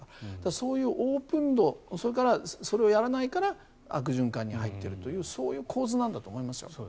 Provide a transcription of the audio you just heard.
そういうオープン度それからそれをやらないから悪循環に入っているという構図なんだと思いますよ。